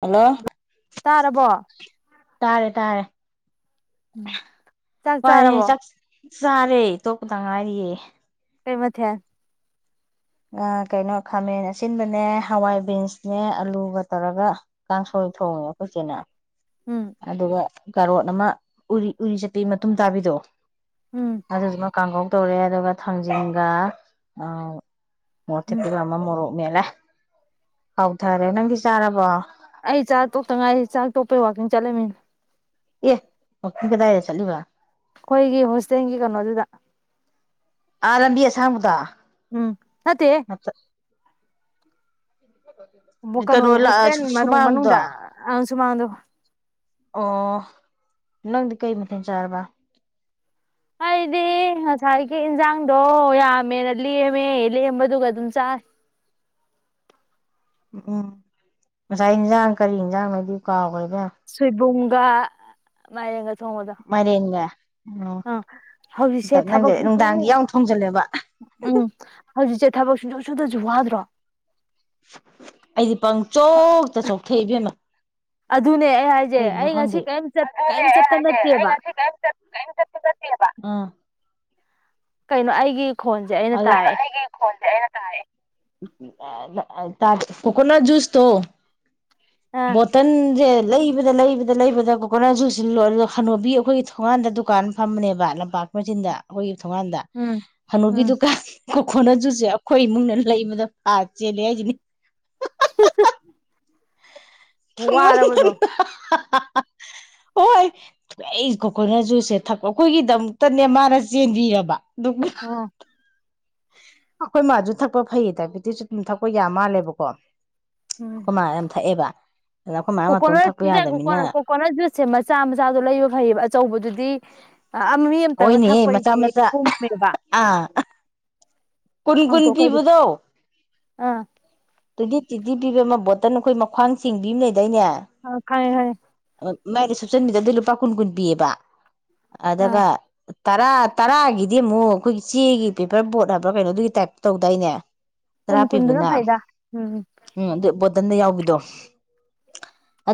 Hello ꯇꯥꯔꯕꯣ ꯇꯥꯔꯦ ꯇꯥꯔꯦ ꯆꯥꯛ ꯋꯥꯔꯦ ꯆꯥꯔꯕꯣ ꯆ ꯁꯥꯔꯦ ꯇꯣꯛ ꯀꯗ ꯉꯥꯏꯔꯤꯌꯦ ꯀꯩ ꯃꯊ ꯀꯩꯅꯣ ꯈꯥꯃꯦꯟ ꯑꯁꯤꯟꯕꯅꯦ ꯍꯋꯥꯏ ꯕꯤꯟꯁꯅꯦ ꯑꯂꯨꯒ ꯇꯧꯔꯒ ꯀꯥꯡꯁꯣꯏ ꯊꯣꯡꯉꯦ ꯑꯩꯈꯣꯏꯆꯦꯅ ꯎꯝ ꯑꯗꯨꯒ ꯀꯥꯔꯣꯟ ꯑꯃ ꯎꯔꯤ ꯎꯔꯤ ꯆꯄ ꯃꯇꯨꯡ ꯇꯥꯕꯤꯗꯣ ꯎꯝ ꯑ ꯑꯗꯨ ꯑꯗꯨꯃ ꯀꯥꯒꯣ ꯇꯧꯔꯦ ꯑꯗꯨꯒ ꯊꯥꯡꯖꯤꯡꯒ ꯃ ꯎꯝ ꯊꯇꯒ ꯃꯃ ꯃꯣꯔ ꯃꯦꯂ ꯍꯥꯎꯊꯔꯦ ꯅꯪꯒꯤ ꯆꯥꯔꯕꯣ ꯑꯩ ꯆꯥꯛ ꯇꯣꯛꯇ ꯉꯥꯏꯁꯤꯦ ꯆꯥꯛ ꯇꯣꯛꯄꯩ ꯋꯥꯛꯀꯤꯡ ꯆꯠꯂꯝꯃꯤꯅ ꯌꯦ ꯀꯗꯥꯥꯏꯗ ꯆꯠꯂꯤꯕ ꯑꯩꯈꯣꯏꯒꯤ ꯍꯣꯁꯇꯦꯜꯒꯤ ꯀꯩꯅꯣꯗꯨꯗ ꯑꯥ ꯂꯝꯕꯤ ꯁꯥꯥꯡꯃꯗ ꯎꯝ ꯅꯠꯇꯦ ꯀꯩꯅꯣ ꯀꯩꯅꯣꯗ ꯍꯣꯁꯇꯦꯜ ꯃꯅꯨꯡ ꯁꯨꯃꯥꯡꯗꯣ ꯃꯅꯨꯡꯗ ꯑ ꯁꯨꯃꯥꯡꯗꯣ ꯑꯣ ꯅꯪꯗꯤ ꯀꯩ ꯃꯊ ꯆꯥꯔꯕ ꯍ ꯏꯗꯦ ꯁꯥꯏ ꯒꯤ ꯏꯟꯖꯥꯡꯗꯣ ꯌꯥꯝꯃꯦꯅ ꯂꯦꯝꯃꯦ ꯂꯦꯝꯕꯗꯨꯒ ꯑꯗꯨꯝ ꯆ ꯎꯝ ꯉꯁꯥꯏ ꯏꯟꯖꯥꯡ ꯀꯔꯤ ꯌꯦꯟꯖꯥꯡ ꯍꯥꯏꯗꯤ ꯀꯥꯎꯈꯦ ꯁꯤꯕꯨꯡ ꯏꯄꯥ ꯃꯥꯏ ꯃꯔꯤꯒ ꯑ ꯍꯧꯖꯤꯛꯁꯦ ꯊꯕꯛ ꯁꯨ ꯅꯨꯡꯗꯥꯡꯒꯤ ꯌꯥꯝ ꯊꯣꯡꯖꯜꯂꯦꯕ ꯎꯝ ꯍꯧꯖꯤꯛꯁꯦ ꯊꯕꯛ ꯁꯨ ꯁꯨꯗꯁꯨ ꯋꯥꯗ꯭ꯔꯣ? ꯑꯩꯗꯤ ꯄꯪꯆꯣꯛꯇ ꯆꯣꯛꯊꯩꯏꯕꯦꯝꯃ꯫ ꯑꯗꯨꯅꯦ ꯑꯩ ꯍꯥꯏꯖꯩ ꯑꯩ ꯉꯁꯤ ꯀꯔꯤꯝ ꯀꯔꯤꯝ ꯆꯠꯄ ꯅꯠꯇꯦꯕ ꯀ ꯆ ꯆꯕ ꯀꯩꯅꯣ ꯑꯩꯒꯤ ꯈꯣꯟꯁꯦ ꯑꯩꯅ ꯦꯩꯅ ꯇꯥꯔꯛꯑꯦ ꯇ ꯇ ꯀꯣꯀꯣꯅꯥꯠ ꯖꯨꯁ ꯇꯣ ꯑꯥ ꯕꯣꯇꯟ ꯦ ꯂꯩꯕꯗ ꯂꯩꯕꯗ ꯂꯩꯕꯗ ꯀꯣꯀꯣꯅꯠꯁꯨꯨ ꯁꯤꯜꯂꯣꯏ ꯑꯗꯨ ꯍꯅꯣꯕꯤ ꯑꯩꯈꯣꯏꯒꯤ ꯊꯣꯡꯉꯥꯟꯗ ꯗꯨꯀꯥꯟ ꯐꯝꯕꯅꯦꯕ ꯂꯝꯄꯥꯛ ꯃꯆꯤꯟꯗ ꯑꯩꯈꯣꯏꯒꯤ ꯊꯣꯡꯉꯥꯟꯗ ꯍꯅꯨꯕꯤꯗꯨ ꯎꯝ ꯈꯣꯟꯅꯖꯨꯁꯦ ꯑꯩꯈꯣꯏ ꯏꯃꯨꯡꯅ ꯂꯩꯕꯗ ꯑꯥ ꯆꯦꯜꯂꯦ ꯍꯥꯏꯁꯤꯅꯦ ꯍꯥ ꯍꯥ ꯊꯃꯅꯤ ꯍꯣꯏ ꯑꯩ ꯀꯣꯀꯣꯅꯠ ꯖꯨꯁꯁꯦꯛ ꯑꯩꯈꯣꯏꯒꯤꯗꯃꯛꯇꯅꯦ ꯃꯥꯅ ꯆꯦꯟꯕꯤꯔꯕ ꯗꯨ ꯑꯣ ꯑꯩꯈꯣꯏ ꯃꯥꯖꯨ ꯊꯛꯄ ꯐꯩꯌꯦ ꯗꯥꯏꯕꯦꯇꯤꯁꯁꯨ ꯑꯗꯨꯝ ꯊꯛꯄ ꯌꯥ ꯃꯥꯜꯂꯦꯕꯀꯣ꯫ ꯎꯝ ꯑꯩꯈꯣꯏ ꯃꯥ ꯌꯥꯝ ꯊꯛꯑꯦꯕ ꯑꯗ ꯑꯩꯈꯣꯏ ꯃꯥ ꯃꯇꯣꯝ ꯀꯣꯀꯣꯅꯠ ꯊꯛꯄ ꯌꯥꯗꯕꯅꯤꯅ ꯀꯑꯣꯀꯣꯅ ꯀꯣꯀꯣꯅꯠ ꯖꯨꯁꯁꯦ ꯃꯆꯥ ꯃꯆꯥꯗꯣ ꯂꯩꯕ ꯐꯩꯌꯦꯕ ꯑꯆꯧꯕꯗꯨꯗꯤ ꯑ ꯃꯤ ꯑꯃꯝꯇꯪꯅ ꯍꯣꯏꯅꯦꯍꯦ ꯃꯆꯥ ꯊꯛꯄꯩꯗꯤ ꯃꯆꯥ ꯄꯨꯝꯃꯦꯕ꯫ ꯑꯥ ꯀꯨꯟ- ꯀꯨꯟ ꯍꯥꯡꯇꯣꯛꯈ꯭ꯔꯗꯤ ꯇꯤꯕꯨꯗꯣ꯫ ꯑꯥ꯫ ꯇꯨꯋꯦꯟꯇꯨ - ꯇꯨꯏꯟꯠꯌ ꯄꯤꯕ ꯑꯃ ꯕꯣꯇꯜ ꯑꯩꯈꯣꯏ ꯃꯈꯋꯥꯥꯟ ꯆꯤꯡꯕꯤ ꯑꯃ ꯑ ꯈꯪꯉꯦ - ꯈꯪ ꯉꯦ꯫ ꯃꯥꯏꯗꯤ ꯁꯨꯞꯆꯟꯕꯤꯗ ꯑꯗꯨ ꯂꯨꯄꯥ ꯀꯨꯟ- ꯀꯨꯟ ꯄꯤꯌꯦꯕ꯫ ꯑꯥ ꯑꯗꯨꯒ ꯇꯔꯥ ꯇꯔꯥꯒꯤꯗꯤ ꯑꯃꯨꯛ ꯑꯩꯈꯣꯏꯒꯤ ꯆꯦꯒꯤ ꯄꯦꯄꯔ ꯕꯣꯠ ꯍꯥꯏꯕ꯭ꯔꯥ ꯀꯩꯅꯣ ꯑꯗꯨꯒꯤ ꯇꯥꯏꯞꯇ ꯇꯧꯗꯥꯏꯅꯦ? ꯇꯔꯥ ꯀꯨꯟ- ꯀꯨꯟꯗꯨꯅ ꯄꯤꯕꯗꯨꯅ ꯐꯩꯗ꯫ ꯎꯝ꯫ ꯎꯝ ꯑꯗꯨ ꯕꯣꯇꯟꯗ ꯌꯥꯎꯕꯤꯗꯣ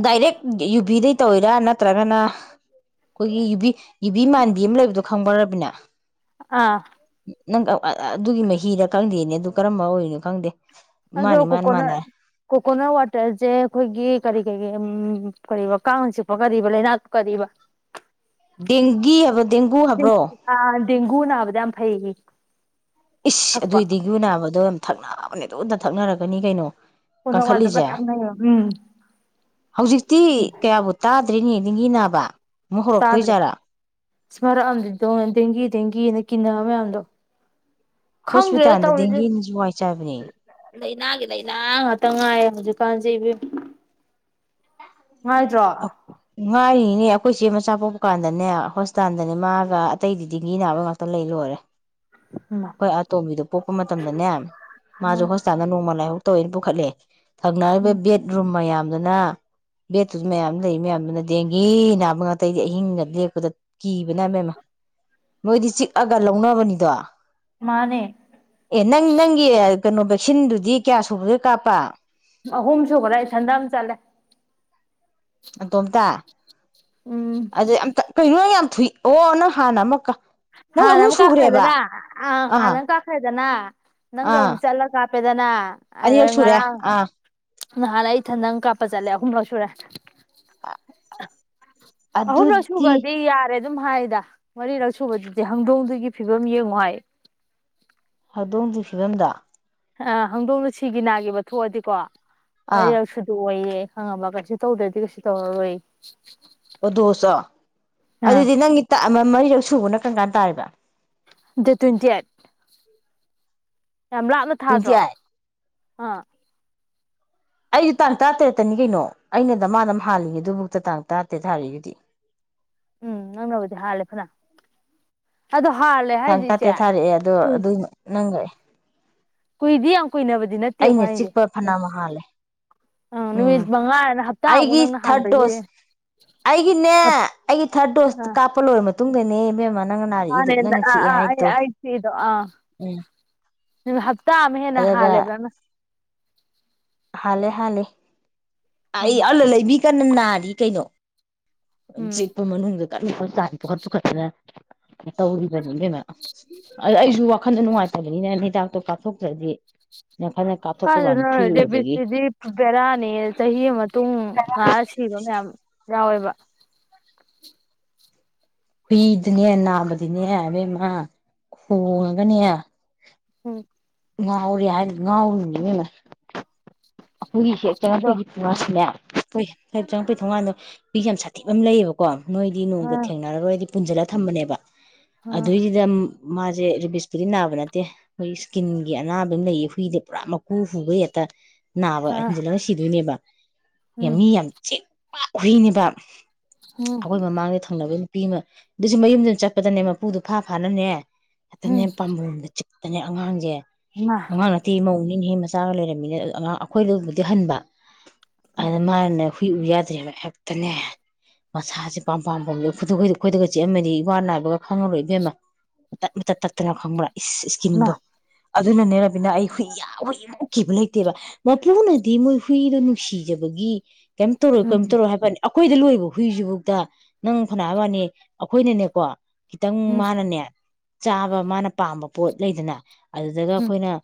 ꯗꯥꯏꯔꯦꯛ ꯌꯨꯕꯤꯗꯩ ꯇꯧꯋꯤꯔ ꯅꯠꯇ꯭ꯔꯒꯅ ꯑꯩꯈꯣꯏꯒꯤ ꯌꯨꯕꯤ ꯌꯨꯕꯤ ꯃꯥꯟꯕꯤ ꯑꯃ ꯂꯩꯕꯗꯣ ꯈꯪꯕꯔꯥ ꯔꯕꯤꯅꯥ? ꯑꯥ꯫ ꯅꯪ ꯑꯗꯨꯒꯤ ꯃꯍꯤꯗ ꯈꯪꯗꯦꯅꯦ ꯑꯗꯨ ꯀꯔꯝꯕ ꯑꯣꯏꯔꯤꯅꯣ ꯈꯪꯗꯦ꯫ ꯑꯗꯣ ꯃꯥꯅꯤ ꯃꯥꯅ ꯀꯣꯀꯣꯅꯠ ꯃꯥꯟꯅꯔꯦ ꯀꯣꯀꯣꯅꯠ ꯋꯥꯇꯔꯖꯦ ꯑꯩꯈꯣꯏꯒꯤ ꯀꯔꯤ ꯀꯔꯤꯒꯤ ꯀꯔꯤꯕ ꯀꯥꯡ ꯆꯤꯛꯄ ꯀꯔꯤꯕ ꯂꯩꯅꯥ ꯀꯔꯤꯕ? ꯗꯦꯡꯒꯤ ꯍꯥꯏꯕ꯭ꯔꯣ ꯗꯦꯡꯒꯨ ꯍꯥꯏꯕ꯭ꯔꯣ? ꯗꯦꯡꯒꯨꯅꯅꯥꯕꯗ ꯌꯥꯝ ꯐꯩ ꯏꯁ ꯊꯛꯄ ꯑꯗꯨꯑꯣꯏꯗꯤ ꯒꯨ ꯅꯥꯕꯗꯣ ꯌꯥꯝ ꯊꯛꯅꯕꯅꯥꯕꯅꯦ ꯇꯨꯗ ꯊꯛꯅꯔꯛꯀꯅꯤ ꯀꯩꯅꯣ ꯀꯣꯀꯣꯅꯠ ꯋꯥꯇꯔ ꯀꯟꯈꯠꯂꯤꯁꯦ ꯊꯛꯅꯩꯌꯦꯕ ꯎꯝ ꯍꯧꯖꯤꯛꯇꯤ ꯎꯝ ꯀꯌꯥꯕꯨ ꯇꯥꯗ ꯅꯠꯇ꯭ꯔꯤꯅꯦꯗꯤꯡꯒꯤ ꯅꯥꯕ ꯃꯨꯛ ꯍꯧꯔꯛꯇꯣꯏꯖꯥꯔꯥ ꯁꯃꯔꯛꯑꯝꯗꯣ ꯗꯦꯡꯒꯤ ꯗꯦꯡꯒꯤꯅ ꯀꯤꯟꯅ ꯃꯌꯥꯝꯗꯣ ꯈꯪꯗ꯭ꯔꯦꯗ ꯍꯣꯁꯄꯤꯇꯥꯜꯗ ꯇꯧꯔꯤꯁꯦ ꯗꯦꯡꯒꯤꯅꯁꯨ ꯋꯥꯏ ꯆꯕꯅꯦ ꯂꯥꯏꯅꯥꯒꯤ ꯂꯥꯏꯅꯥ ꯉꯥꯛꯇ ꯉꯥꯏꯌꯦ ꯍꯧꯖꯤꯛꯀꯥꯟꯁꯤꯕꯌ ꯉꯏ ꯏꯅꯦ ꯑꯩꯈꯣꯏ ꯏꯆꯦ ꯃꯆꯥ ꯄꯣꯛꯄ ꯀꯥꯟꯗꯅꯦ ꯍꯣꯁꯄꯤꯇꯥꯜꯗꯅꯦ ꯃꯥꯒ ꯑꯇꯩꯗꯤꯤ ꯅꯥꯕ ꯉꯥꯛꯇ ꯂꯩ ꯂꯣꯏꯔꯦ ꯎꯃ ꯍꯣꯏ ꯑꯇꯣꯝꯕꯤꯗꯣ ꯄꯣꯛꯄ ꯃꯇꯝꯗꯅꯦ ꯃꯥꯁꯨ ꯍꯣꯁꯄꯤꯇꯥꯜꯗ ꯅꯣꯡꯃ ꯂꯥꯏꯍꯧ ꯇꯣꯏꯅ ꯄꯨꯈꯠꯂꯦ ꯊꯪꯅꯔꯤꯕ ꯎꯝ ꯕꯦꯠꯔꯨꯝ ꯃꯌꯥꯝ [unintelligible] ꯑꯗꯨ ꯃꯌꯥꯝ ꯂꯩ ꯃꯌꯥꯝꯗꯨꯅ ꯗꯦꯡꯒꯤ ꯅꯥꯕ ꯉꯇꯩꯗꯤ ꯑꯍꯤꯡꯒ ꯂꯦꯛꯄꯗ ꯀꯤꯕꯅ ꯃꯌꯥꯝ ꯃꯣꯏꯗꯤ ꯆꯤꯛꯑꯒ ꯂꯧꯅꯕꯅꯤꯗꯣ ꯃꯥꯅꯦ ꯑꯦꯟꯅ ꯅꯉ ꯀꯩꯅꯣ ꯚꯦꯛꯁꯤꯟꯗꯨꯗꯤ ꯀꯌꯥ ꯁꯨꯕꯒꯦ ꯀꯥꯞꯄ ꯑꯍꯨꯝ ꯁꯨꯕꯗ ꯑꯩ ꯊꯟꯗꯥ ꯑꯃ ꯆꯠꯂꯦ ꯇꯣꯝꯇ ꯎꯝ ꯑꯗꯦ ꯑ ꯀꯩꯅ ꯊ ꯑꯣꯅ ꯍꯥꯟꯅ ꯃ ꯀ ꯍꯥ ꯅꯝ ꯀꯥꯈꯗꯂ ꯑ ꯑꯥ ꯅꯪ ꯀꯥꯈꯗ ꯗꯅꯥ ꯅꯪ ꯑꯥ ꯍꯧꯟꯁꯦꯂ ꯀ ꯄꯦꯗꯅ ꯑꯗ ꯑꯅꯤꯔꯛ ꯁꯨꯔꯦ ꯑꯥ ꯅꯍꯥꯟ ꯏꯊꯟ ꯅꯪ ꯀꯥꯞꯄ ꯆꯠꯂꯦ ꯑꯍꯨꯝꯂꯛ ꯁꯨꯔꯦ ꯑꯍꯨꯝꯂ ꯑꯗꯨꯗꯤ ꯁꯨꯒꯗꯤ ꯌꯥꯔꯦ ꯑꯗꯨꯝ ꯍꯥꯏꯗ ꯋꯥꯔꯤ ꯂꯧ ꯁꯨꯕꯗꯨꯗꯤ ꯍꯪꯗꯣꯡꯗꯨꯒꯤ ꯐꯤꯕꯝ ꯌꯦꯡꯉꯣ ꯍꯥꯏ ꯍꯧꯗꯣꯡꯝꯒꯤ ꯐꯤꯕꯝꯗ ꯑ ꯍꯪꯗꯣꯛꯅꯁꯤꯒꯤ ꯅꯥꯒꯤꯕ ꯊꯣꯛꯑꯗꯤꯀꯣ ꯃꯔꯤ ꯑꯥ ꯑꯁꯗ ꯑꯣꯏꯌꯦ ꯈꯪꯉꯕ ꯀꯩꯁꯨ ꯇꯧꯗ꯭ꯔꯗꯤ ꯀꯩꯁꯨ ꯇꯧꯔꯔꯣꯏ ꯑꯗꯨꯁꯨꯣ ꯑꯥ ꯑꯗꯨꯗꯤ ꯅꯪꯒꯤ ꯇ ꯑꯃ ꯃꯔꯤꯔꯛ ꯁꯨꯕꯅ ꯀꯔ ꯀꯥꯟ ꯇꯥꯔꯔꯤꯕ ꯗ ꯇ꯭ꯋꯦꯟꯇꯤ ꯑꯠ ꯌꯥꯝ ꯂꯥꯞꯅ ꯇ꯭ꯋꯦꯟꯇꯤ ꯊꯥꯗ꯭ꯔꯣ ꯑꯥ ꯑꯩꯁꯨ ꯇꯥꯡ ꯇꯔꯥꯇꯔꯦꯠꯇꯅꯤ ꯀꯩꯅꯣ ꯑꯩꯅꯗ ꯃꯥꯅ ꯍꯥꯜꯂꯤꯉꯦ ꯑꯗꯨꯕꯨꯛꯇ ꯇꯥꯡ ꯇꯔꯥꯇꯔꯦꯠ ꯊꯥꯔꯛꯏꯒꯤꯗꯤ ꯎꯝ ꯅꯪ ꯍꯧꯗꯤꯦ ꯍꯥꯥꯂꯦ ꯐꯅꯥ ꯊꯥꯡ ꯇꯥꯇꯦ ꯊꯥꯔꯛꯑꯦ ꯑꯗꯣ ꯑꯗꯨ ꯅꯪꯈ꯭ꯔꯑꯦ ꯀꯣꯏꯗꯤ ꯑꯩꯅ ꯆꯤꯛꯄ ꯐꯅ ꯍꯥꯥꯜꯂꯦ ꯑ ꯎꯝ ꯅꯨꯃꯤꯠ ꯃꯉꯥꯅ ꯍꯞꯇꯥꯃꯨꯛ ꯑꯩꯒꯤ ꯅꯪꯅ ꯊꯥꯔꯠ ꯍꯥꯟꯕꯒꯤ ꯗꯣꯁ ꯑꯩꯒꯤꯅꯦ ꯍꯞ ꯑꯩꯒꯤ ꯊꯥꯔꯠ ꯗꯣꯁꯇ ꯀꯥꯞꯄ ꯂꯣꯏꯔ ꯃꯇꯨꯡ ꯇꯨꯡꯗꯅꯦꯕꯦꯃ ꯍꯅ ꯑ ꯑ ꯑ ꯏꯗꯣ ꯑ ꯎꯝ ꯍ ꯇꯝ ꯍꯦꯅ ꯍꯥꯂꯦꯕ ꯍꯂꯦ ꯍꯥꯂꯦ ꯑꯩ ꯎꯝ ꯑꯜ ꯂꯩꯕꯤ ꯀꯅꯅ ꯀꯩꯅꯣ ꯎꯝ ꯆꯦꯠꯄ ꯃꯅꯨꯡꯗ ꯀꯟꯅ ꯇꯥꯟ ꯄꯨꯈꯠ ꯄꯨꯈꯠꯇꯅ ꯇꯧꯔꯤꯕꯅꯤ ꯀꯩꯅꯣ ꯑꯗꯨ ꯑꯩꯁꯨ ꯋꯥꯈꯟꯗ ꯅꯨꯡꯉꯥꯏꯇꯕꯅꯤꯅ ꯍꯤꯇꯥꯛꯇꯣ ꯀꯥꯞꯊꯣꯛꯇ꯭ꯔꯗꯤ ꯅꯈꯟꯅ ꯀꯥꯞꯊꯣꯛꯄ ꯋꯥꯅꯤ ꯀꯥꯏꯗꯅ ꯐ꯭ꯔꯤ ꯑꯣꯏꯕꯒꯤ ꯗꯦꯕꯤꯁꯤꯗꯤ ꯕꯦꯔꯥꯅꯤ ꯆꯍꯤ ꯃꯇꯨꯡ ꯉꯥꯑ ꯁꯤꯔꯣ ꯃꯌꯥꯝ ꯌꯥꯑꯣꯦꯕ ꯍꯨꯏꯗꯨꯅꯦ ꯅꯥꯕꯗꯤꯅꯦ ꯑꯕꯦꯝꯃ ꯈꯣꯡꯉꯒꯅꯦ ꯎꯝ ꯉꯎꯔꯤ ꯌꯥꯔ ꯉꯅꯦ ꯑꯩꯈꯣꯏꯒꯤꯁꯦ ꯑꯗꯣ ꯆꯪꯉꯛꯄꯒꯤ ꯄꯨꯉꯁꯤꯅꯦ ꯄꯨꯏ ꯍꯥꯏ ꯆꯪꯉꯛꯏ ꯊꯣꯡꯀꯥꯟꯗꯣ ꯄ ꯌꯥꯝ ꯁꯥꯊꯤꯛ ꯑꯃ ꯂꯩꯌꯦꯕꯀꯣ ꯅꯣꯏꯗꯤ ꯑ ꯅꯣꯡꯗ ꯊꯦꯡꯅꯔꯔꯣꯏꯗꯤ ꯄꯨꯟꯁꯤꯜꯂꯒ ꯊꯝꯕꯅꯦꯕ ꯑ ꯑꯗꯨꯏꯒꯤꯗ ꯃꯥꯁꯦ ꯔꯦꯕꯤꯁꯄꯨꯗꯤ ꯅꯥꯕ ꯅꯠꯇꯦ ꯑꯩꯈꯣꯏ ꯏꯁꯀꯤꯟꯒꯤ ꯑꯅꯥꯕ ꯑꯃ ꯂꯩꯌꯦ ꯍꯨꯏꯗ ꯄꯨꯔꯥ ꯃꯀꯨ ꯍꯨꯕ ꯍꯦꯛꯇ ꯅꯥꯕ ꯑ ꯏꯟꯁꯤ ꯂꯅ ꯁꯤꯗꯣꯏꯅꯦꯕ ꯌꯥꯝꯃꯤ ꯌꯥꯝ ꯆꯦ ꯄꯥꯛ ꯍꯨꯏꯅꯦꯕ ꯏꯃꯥ ꯑꯩꯈꯣꯏ ꯃꯃꯥꯡꯒꯤ ꯊꯪꯅꯕꯒꯤ ꯅꯨꯄꯤ ꯑꯃ ꯑꯗꯨꯁꯨ ꯃꯌꯨꯝꯗ ꯆꯠꯄꯗꯅꯦ ꯃꯄꯨꯗꯨ ꯐꯥ ꯐꯥꯅ ꯅꯦ ꯑꯗꯅꯦ ꯄꯥꯝꯕꯣꯝꯗ ꯆꯤꯛ ꯑꯗꯅꯦ ꯑꯉꯥꯡꯁꯦ ꯑꯉꯥꯡ ꯅꯠꯇꯦ ꯃꯧꯅꯦ ꯏꯟꯍꯦ ꯃꯆꯥꯒ ꯂꯩꯔꯝꯃꯤꯅꯦ ꯑ ꯑꯉꯥꯡ ꯑꯩꯈꯣꯏꯗꯩꯩꯕꯨꯗꯤ ꯍꯟꯕ ꯑꯗꯨ ꯃꯥꯅꯅꯦ ꯅꯨꯄꯤ ꯎ ꯌꯥꯗ꯭ꯔꯦꯕ ꯍꯦꯛꯇꯅꯦ ꯃꯁꯥꯁꯦ ꯄꯥꯝ ꯄꯥꯥꯝꯕꯣꯝꯁꯦ ꯈꯨꯠꯇ ꯈꯨꯣꯏꯗ ꯑꯩꯈꯣꯏꯗꯒ ꯆꯤꯛꯑꯝꯃꯗꯤ ꯏꯋꯥ ꯅꯥꯏꯕꯒ ꯈꯪꯉꯔꯣꯏ ꯏꯕꯦꯝꯃ ꯇꯠ ꯃꯇꯠ ꯇꯠꯇꯅ ꯈꯪꯕ꯭ꯔꯥ ꯏꯁ ꯏꯁꯀꯤꯟꯗꯣ ꯑꯗꯨꯅꯅꯦ ꯔꯕꯤꯅꯥ ꯑꯩ ꯍꯨꯏ ꯌꯥꯝ ꯍꯨꯏꯃꯨꯛ ꯀꯤꯕ ꯂꯩꯇꯦꯕ ꯃꯄꯨꯅꯗꯤ ꯃꯣꯏ ꯍꯨꯏꯗꯣ ꯅꯨꯡꯁꯤꯖꯕꯒꯤ ꯀꯩꯝ ꯇꯧꯔꯣꯏ ꯀꯩꯝ ꯇꯧꯔꯣꯏ ꯍꯥꯏꯕꯅꯤ ꯑꯩꯈꯣꯏꯗ ꯂꯣꯏꯕ ꯍꯨꯏꯁꯤꯕꯨꯛꯇ ꯅꯪ ꯐꯅꯌꯥꯝ ꯍꯥꯏꯕꯋꯥꯅꯤ ꯑꯩꯈꯣꯏꯗꯤꯅꯦꯀꯣ ꯈꯤꯇꯪ ꯃꯥꯅꯅꯦ ꯆꯥꯕ ꯃꯥꯅ ꯄꯥꯝꯕ ꯄꯣꯠ ꯂꯩꯗꯅ ꯑꯗꯨꯗꯒ ꯑꯩꯈꯣꯏꯅ [inaudible]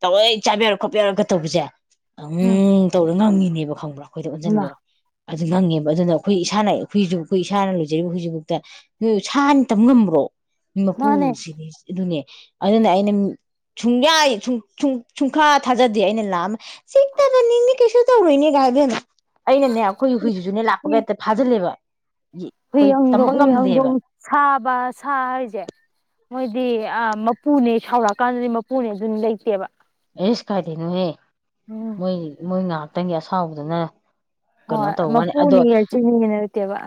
ꯇꯧꯔ ꯆꯥꯕ ꯌꯥꯔꯣꯏ ꯈꯣꯠꯄ ꯌꯥꯔꯣꯏꯒ ꯇꯧꯕꯁꯦ ꯎꯝ ꯇꯧꯔ ꯉꯪꯉꯤꯅꯤ ꯅꯦꯕ ꯈꯪꯕ꯭ꯔꯥ ꯑꯩꯈꯣꯏꯗ ꯑꯣꯟꯁꯤꯟꯂꯒ ꯑꯗꯨ ꯉꯪꯉꯦꯕ ꯑꯗꯨꯅ ꯑꯩꯈꯣꯏ ꯏꯁꯥꯅ ꯑꯩꯈꯣꯏꯁꯨ ꯑꯩꯈꯣꯏ ꯏꯁꯥꯅ ꯂꯣꯏꯖꯔꯤꯕ ꯍꯧꯖꯤꯐꯥꯎꯗ ꯅꯣꯏ ꯁꯥꯅꯤ ꯇꯝ ꯉꯝꯕ꯭ꯔꯣ ꯃꯥꯅꯦ ꯃꯄꯨꯁꯤꯗꯤ ꯑꯗꯨꯅꯦ ꯑꯗꯨꯅ ꯑꯩꯅ ꯁꯨꯡꯌꯥ ꯁꯨꯡ ꯨꯁꯨꯡ ꯁꯨꯡꯊꯥ ꯊꯥꯖꯗꯦ ꯑꯩꯅ ꯂꯥꯛꯑꯃ ꯑ ꯇꯧꯔꯣꯏꯅꯦ ꯒꯥꯢ ꯏꯕꯦꯝꯃꯥ ꯑꯩꯅꯅꯦ ꯑꯩꯈꯣꯏ ꯍꯨꯏꯁꯤꯁꯨꯅꯦ ꯂꯥꯛꯄꯒ ꯍꯦꯛꯇ ꯐꯥꯖꯤꯜꯂꯦꯕ ꯍꯨꯏ ꯑꯩꯈꯣꯏ ꯍꯪꯗꯣ ꯇꯝꯕ ꯍꯨꯏ ꯉꯝꯗꯦꯕ ꯍꯪꯗꯣꯡ ꯁꯥꯕ ꯁꯥ ꯍꯥꯏꯁꯦ ꯃꯣꯏꯗꯤ ꯑꯥ ꯃꯄꯨꯅꯦ ꯁꯥꯎꯔꯛꯀꯥꯟꯗꯗꯤ ꯃꯄꯨꯅꯦ ꯑꯗꯨꯅꯤ ꯂꯩꯇꯦꯕ ꯑꯦꯁ ꯀꯥꯏꯗꯩꯅꯣꯍꯦ ꯎꯝ ꯃꯣꯏ ꯃꯣꯏꯅꯥ ꯉꯥꯇꯪꯒꯤ ꯑꯁꯥꯎꯕꯗꯨꯅ ꯀꯩꯅꯣ ꯍꯣꯏ ꯇꯧꯕ ꯋꯥꯅꯤ ꯃꯄꯨꯅꯤ ꯑꯗꯣ ꯁꯤꯅꯤꯅ ꯂꯩꯇꯦꯕ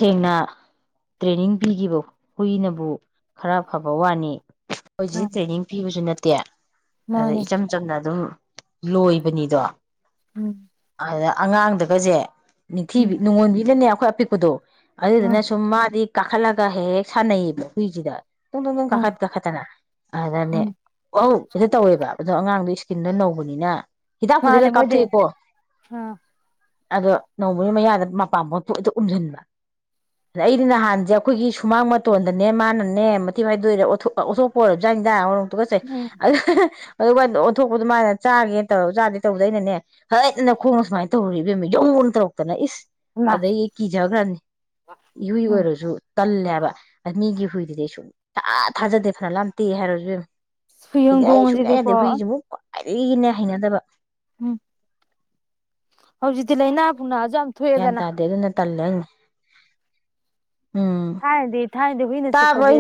ꯕꯦꯝꯃ ꯇ꯭ꯔꯦꯅꯤꯡ ꯄꯤꯈꯤꯕ ꯍꯨꯏꯅꯕꯨ ꯈꯔ ꯐꯕ ꯋꯥꯅꯤ ꯑꯩꯏꯈꯣꯏ ꯎꯝ ꯖꯤꯗꯤ ꯇ꯭ꯔꯦꯅꯤꯡ ꯄꯤꯕꯁꯨ ꯅꯠꯇꯦ ꯇꯦ ꯑꯗ ꯃꯥꯅꯦ ꯏꯆꯝ ꯆꯝꯅ ꯑꯗꯨꯝ ꯂꯣꯏꯕꯅꯤꯗꯣ ꯎꯝ ꯑꯗꯨꯅ ꯑꯉꯥꯡꯗꯒꯖꯦ ꯎꯝ ꯅꯤꯡꯊꯤꯕꯤ ꯅꯨꯡꯉꯣꯟꯕꯤ ꯅꯅꯦ ꯈꯣꯏ ꯑꯄꯤꯛꯄꯗꯨ ꯑꯗꯨꯗꯨꯅ ꯎꯝ ꯁꯨꯝꯃꯥꯗꯤ ꯀꯥꯈꯠꯂꯒ ꯍꯦꯛ ꯍꯦꯛ ꯁꯥꯟꯅꯩꯌꯦꯕ ꯍꯨꯏꯁꯤꯗ ꯇꯨꯡ ꯇꯨꯡ ꯇꯨꯡ ꯎꯝ ꯀꯥꯈꯠ ꯀꯥꯈꯠꯇꯅ ꯑꯗꯅꯦ ꯎꯝ ꯋꯧ ꯑꯗ ꯇꯧꯋꯦꯕ ꯑꯗꯣ ꯑꯉꯥꯡꯗꯣ ꯏꯁꯀꯤꯟꯗ ꯅꯧꯕꯅꯤꯅ ꯍꯤꯗꯥꯛ ꯄꯨꯗꯤ ꯃꯥꯅꯦ ꯂꯣꯏ ꯃꯣꯏꯗꯤ ꯀꯥꯞꯊꯣꯛꯏꯀꯣ ꯑꯥ ꯑꯗꯣ ꯅꯧꯕꯒꯤ ꯃꯌꯥꯗ ꯃꯄꯥꯝꯕꯣꯝꯗ ꯊꯣꯛ ꯍꯦꯛꯇ ꯎꯝꯖꯟꯕ ꯑꯗ ꯑꯩꯗꯤ ꯅꯍꯥꯟꯖꯦ ꯑꯩꯈꯣꯏꯒꯤ ꯁꯨꯃꯥꯡ ꯃꯇꯣꯟꯗꯅꯦ ꯃꯥꯅꯅꯦ ꯃꯊꯤ ꯐꯥꯏꯗꯣꯛꯏꯔꯥ ꯑꯣꯊꯣꯛ ꯑꯣꯊꯣꯛꯄ ꯑꯣꯏꯔꯞꯖꯥꯠ ꯅꯤꯗ ꯍꯣꯡ ꯇꯨꯒꯠꯆꯩ ꯎꯝ ꯍꯍꯍ ꯑꯗꯨ ꯀꯥꯏꯅꯗ ꯑꯣꯟꯊꯣꯛꯄ ꯗꯨ ꯃꯥꯅ ꯆꯥꯒꯦꯅ ꯇꯧꯔꯖꯥꯠꯅꯤ ꯇꯧꯕꯗ ꯑꯩꯅꯅꯦ ꯍꯥꯏꯠ ꯑꯅ ꯈꯣꯡ ꯗꯨꯃꯥꯏ ꯇꯧꯔꯨꯔꯦ ꯏꯕꯦꯝꯃ ꯌꯧ ꯑꯅ ꯇꯧꯔꯛꯇꯅ ꯏꯁ ꯏꯃꯥ ꯑꯗꯩ ꯑꯩ ꯀꯤꯖꯒ꯭ꯔꯝꯅꯤ ꯏꯍꯨꯏ ꯎꯝ ꯑꯣꯏꯔꯁꯨ ꯇꯜꯂꯦꯕ ꯃꯤꯒꯤ ꯍꯨꯏꯗꯗꯤ ꯑꯩ ꯁꯨꯡ ꯊꯥ ꯊꯥꯖꯗꯦ ꯐꯅ ꯂꯥꯛꯇꯦ ꯍꯥꯏꯔꯁꯨ ꯏꯕꯦꯝ ꯍꯨꯏ ꯑꯩꯗꯤ ꯑꯩ ꯁꯨꯡꯌꯥ ꯌꯥꯗꯦ ꯍꯧꯗꯣꯡꯁꯤꯗꯤꯀꯣ ꯍꯨꯏ ꯁꯤꯃꯨꯛ ꯈ꯭ꯋꯥꯏꯗꯒꯤꯅꯦ ꯍꯩꯅꯗꯕ ꯎꯝ ꯍꯧꯖꯤꯛꯇꯤ ꯂꯥꯏꯅꯥ ꯄꯨꯅꯥꯁꯨ ꯌꯥꯝ ꯊꯣꯛꯑꯦꯗꯅ ꯇꯜꯂꯦꯟꯅꯤ ꯊꯥꯥꯏꯅꯗꯤ ꯊꯥꯥꯏꯅꯗꯤ ꯍꯨꯏꯅ ꯆꯤꯛꯄꯖꯦ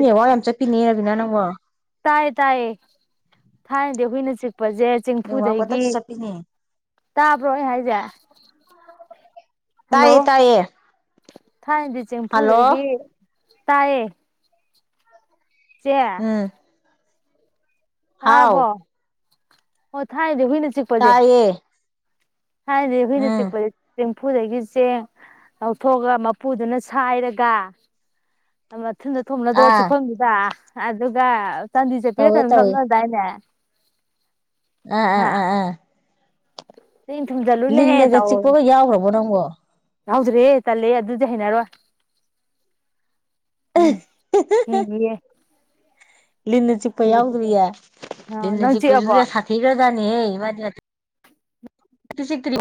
ꯅꯌꯥ ꯅꯪꯕꯣ ꯇꯥꯌꯦ ꯇꯥꯌꯦ ꯊꯥꯏꯅꯗꯤ ꯍꯨꯏꯅ ꯆꯤꯛ ꯄꯁꯦ ꯅꯦꯠꯋꯥꯛ ꯆꯦꯡꯐꯨꯗꯒꯤ ꯄꯪꯆꯠꯇ ꯆꯠꯄꯤꯅꯦ ꯇꯥꯕ꯭ꯔꯣ ꯑꯩ ꯍꯥꯏꯖꯦ ꯍꯜꯂꯣ ꯇꯥꯏꯌꯦ ꯇꯥꯏꯌꯦ ꯊꯥꯏꯅꯗꯤ ꯍꯜꯂꯣ ꯆꯦꯡꯐꯨꯗꯒꯤ ꯇꯥꯌꯦ ꯆꯦ ꯎꯝ ꯍꯥꯎ ꯇꯔꯕꯣ? ꯑꯣ ꯊꯥꯏꯅꯗ ꯒꯤꯅꯦ꯫ ꯇꯌꯦ꯫ [unintelligible] ꯆꯐꯨꯗꯒꯤ ꯆꯦꯡ ꯂꯧꯊꯣꯛꯑꯒ ꯃꯄꯨꯗꯨꯅ ꯁꯥꯏꯔꯒ ꯊꯨꯅ ꯊꯨꯝꯅꯗ꯭ꯔꯣ ꯑꯥ ꯆꯦꯛꯛꯐꯝꯗꯨꯗ? ꯑꯗꯨꯒ ꯆꯥꯟꯗꯤ ꯆꯞꯄꯤ ꯔ ꯇꯧꯋꯦ ꯀꯩꯅꯣꯝ ꯅꯞꯅꯥ [unintelligible] ꯑꯝ ꯑꯝ ꯑꯝ ꯎꯝ꯫ ꯆꯦꯡ ꯊꯨꯝꯖꯜꯂꯨꯅꯦ ꯂꯤꯟꯅꯒ ꯇꯧ ꯆꯤꯛꯄꯒ ꯌꯥꯎꯈ꯭ꯔꯕꯣ ꯅꯪꯕꯣ? ꯌꯥꯎꯗ꯭ꯔꯦ ꯇꯜꯂꯦ ꯑꯗꯨꯗꯤ ꯍꯩꯅꯔꯣꯏ꯫ ꯑꯦꯃꯩ [unintelligible] ꯂꯤꯟꯅ ꯆꯤꯛꯄ ꯌꯥꯎꯗ꯭ꯔꯤꯌꯦ? ꯂꯤꯟꯅ ꯅꯪ ꯆꯤꯛꯄꯁꯨ ꯆꯤꯛꯑꯕꯣ ꯁꯥꯊꯤꯈ꯭ꯔꯖꯥꯅꯤꯍꯦ ꯃꯥꯗꯤ ꯆꯤꯛꯇꯔꯤ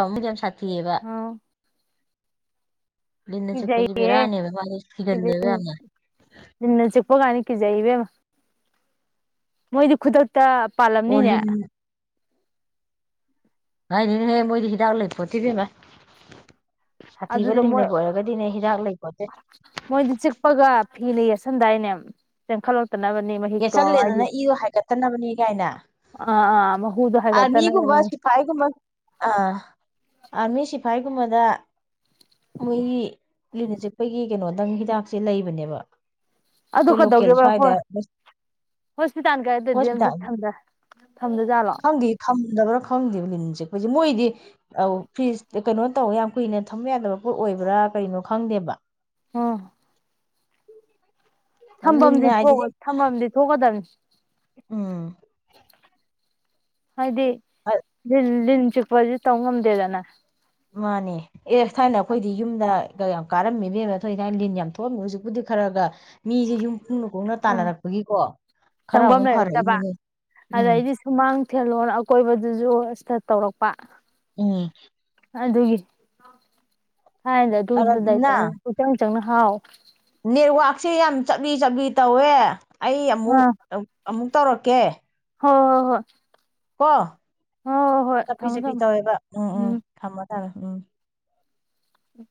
[unintelligible] [unintelligible] ꯑ ꯂꯤꯟꯅ ꯆꯤꯛꯄ ꯖꯤ ꯀꯤꯖꯩꯌꯦ ꯕꯦꯔꯥꯅꯤ ꯃꯗꯤ ꯁꯤꯒꯜꯂꯦꯕꯥ ꯌꯥꯝꯅꯥ꯫ ꯀꯤ ꯖꯩ ꯏꯕꯦꯝꯃꯥ ꯫ ꯃꯣꯏꯗꯤ ꯈꯨꯗꯛ ꯇ ꯑꯣ ꯄꯥꯜꯂꯝꯅꯤꯅꯦ꯫ ꯂꯤꯟ ꯀꯥꯏꯗꯩꯩ ꯅꯣꯍꯦ ꯃꯣꯏꯗꯤ ꯍꯤꯗꯥꯛ ꯂꯩꯄꯣꯠꯇꯦ ꯏꯕꯦꯃꯃꯥ ꯫ ꯑꯗꯨꯗ ꯃꯣꯏ ꯂꯩꯄꯣꯠꯇꯦ ꯃꯣꯏꯗꯤ ꯆꯤꯛꯄꯒ ꯐꯤꯅ ꯌꯦꯁꯟꯗꯥꯏꯅꯦ ꯆꯈꯠꯂꯛ ꯌꯦꯠꯁꯜꯂꯦꯗꯅ ꯏꯗꯣ ꯍꯥꯏꯒꯠꯇꯅꯕꯅꯤ ꯀꯥꯏꯅ ꯑꯥ ꯑꯥ ꯃꯍꯨꯗꯣ ꯑꯥꯔꯃꯤꯒꯨꯝꯕ ꯍꯥꯏꯒꯠꯇꯅꯕꯅꯦ ꯁꯤꯐꯥꯏꯒꯨꯝꯕ ꯑ ꯑꯥꯔꯃꯤ ꯁꯤ ꯐꯥꯏꯒꯨꯝꯕꯗ ꯃꯣꯏꯒꯤ ꯂꯤꯟꯅ ꯆꯤꯀꯄꯒꯤ ꯀꯩꯅꯣꯗꯪ ꯍꯤꯗꯥꯛꯁꯦ ꯂꯩꯕꯅꯦꯕ꯫ ꯑꯗꯨ ꯑꯩꯈꯣꯏ ꯂꯣꯀꯦꯜ ꯀꯩꯗꯧꯒꯦꯕ ꯁ꯭ꯋꯥꯏꯗ ꯍꯣꯏ ꯍꯣꯁꯄꯤꯇꯥꯜ ꯀꯥꯏꯗꯗꯤ ꯍꯣꯁꯄꯤꯇꯥꯜ ꯑꯝꯇ ꯊꯝꯗꯖꯥꯠꯂꯣ? ꯈꯪꯗꯦ ꯊꯝꯗꯕ꯭ꯔꯥ ꯈꯪꯗꯦꯕ ꯂꯤꯟꯁꯦ ꯆꯤꯀꯞꯁꯦ ꯃꯣꯏꯗꯤ ꯐ꯭ꯔꯤꯖ ꯀꯩꯅꯣ ꯇꯧ ꯌꯥꯝ ꯀꯨꯏꯅ ꯊꯝꯕ ꯌꯥꯗꯕ ꯄꯣꯠ ꯑꯣꯏꯕ꯭ꯔꯥ ꯀꯔꯤꯅꯣ ꯈꯪꯗꯦꯕ꯫ ꯑ꯫ ꯑꯗꯨ ꯊꯝꯐꯝꯗꯤ ꯂꯤꯟꯅ ꯊꯣꯛ ꯍꯥꯏꯁꯤꯗꯤ ꯊꯝꯐꯝꯗꯤ ꯊꯣꯛꯀꯗꯕꯅꯤ꯫ ꯎꯝ꯫ ꯍꯥꯌꯗꯤ ꯂꯤꯟ ꯂꯤꯟ ꯆꯤꯛꯄꯥꯖꯦ ꯇꯝꯉꯝꯗꯦꯗꯅ꯫ ꯃꯥꯅꯦ ꯑꯦ ꯊꯥꯏꯅ ꯑꯩꯈꯣꯏꯗꯤ ꯌꯨꯝꯗ ꯌꯥꯝ ꯀꯥꯔꯝꯃꯤꯕꯦꯝꯅ ꯊꯣꯛ ꯊꯥꯏꯅ ꯂꯤꯟ ꯌꯥꯝ ꯊꯣꯛꯑꯝꯃꯤ ꯍꯧꯖꯤꯛꯄꯨꯗꯤ ꯈꯔꯒ ꯃꯤꯁꯦ ꯌꯨꯝ ꯈꯨꯡꯅ ꯈꯨꯡꯅ ꯎꯝ ꯇꯥꯟꯅꯔꯛꯄꯒꯤꯀꯣ ꯈꯔ ꯆꯪꯐꯝ ꯑꯃꯨꯛ ꯐꯔꯛꯏꯅꯦꯅꯦ ꯎꯝ ꯊꯦꯜꯂ ꯑꯀꯣꯏꯕꯗꯨꯁꯨ ꯑꯁꯤꯗ ꯇꯧꯔꯛꯄ ꯎꯝ ꯑꯗꯨꯒꯤ ꯊꯥꯏꯅ ꯑꯗꯨꯗꯨꯗꯥ ꯑꯔꯥꯕꯤꯅꯥ ꯆꯪ ꯄꯨꯆꯪ ꯆꯪꯅ ꯍꯥꯎꯋ ꯅꯦꯠꯋꯥꯛꯁꯦ ꯌꯥꯝ ꯆꯥꯛꯕꯤ ꯆꯞꯕꯤ ꯇꯧꯋꯦ ꯑꯩ ꯑꯃꯨꯛ ꯑꯃꯨꯛ ꯇꯧꯔꯛꯀꯦ ꯍ ꯍꯣꯏ ꯍꯣꯏ ꯀ ꯍꯣꯏ ꯍꯣꯏ ꯍꯣꯏ ꯆꯠꯄꯤ ꯊꯝꯃꯣ ꯆꯠꯄꯤ ꯊꯝꯃꯣ ꯇꯧꯋꯦꯕ ꯎꯝ ꯎꯝ ꯊꯝꯃꯒ ꯑꯥꯝ ꯎꯝ